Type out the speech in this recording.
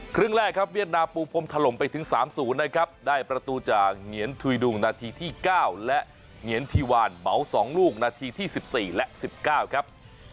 ครึ่งแรกครับเวียดนามปูพรมถล่มไปถึง๓๐นะครับได้ประตูจากเหงียนทุยดุงนาทีที่๙และเหงียนทีวานเหมา๒ลูกนาทีที่๑๔และ๑๙ครับ